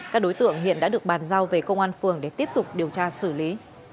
các đối tượng hiện đã được bàn giao về công an phường để tiếp tục điều tra xử lý